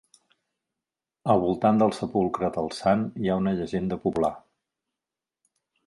Al voltant del sepulcre del sant hi ha una llegenda popular.